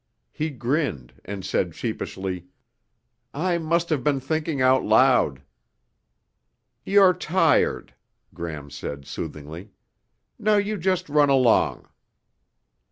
He grinned and said sheepishly, "I must have been thinking out loud." "You're tired," Gram said soothingly. "Now you just run along."